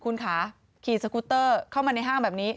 เนี่ยได้ยังไง